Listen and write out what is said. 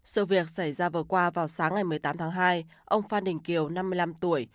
sự việc xảy ra vừa qua vào sáng ngày một mươi tám tháng hai ông phan đình kiều năm mươi năm tuổi